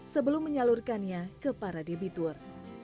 sebelum menyalurkannya ke para debitur